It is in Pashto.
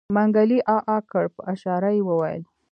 منګلي عاعاعا کړ په اشاره يې وويل.